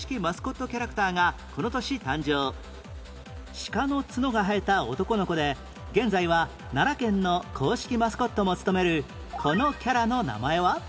鹿の角が生えた男の子で現在は奈良県の公式マスコットも務めるこのキャラの名前は？